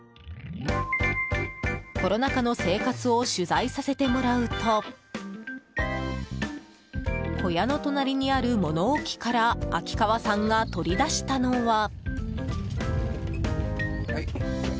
コロナ禍の生活を取材させてもらうと小屋の隣にある物置から秋川さんが取り出したのは。